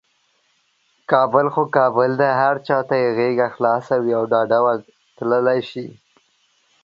کابل خو کابل دی، هر چاته یې غیږه خلاصه وي او ډاده ورتللی شي.